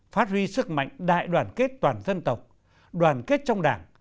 phát huy sức mạnh đại đoàn kết toàn dân tộc đoàn kết trong đảng